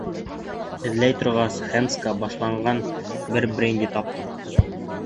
Эҙләй торғас, Хэндсҡа башланған бер бренди таптым.